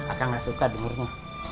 akang gak suka dengurnya